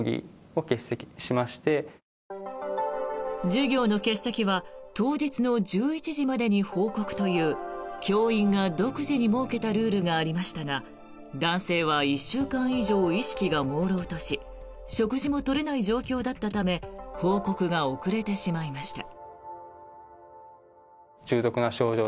授業の欠席は当日の１１時までに報告という教員が独自に設けたルールがありましたが男性は１週間以上意識がもうろうとし食事も取れない状況だったため報告が遅れてしまいました。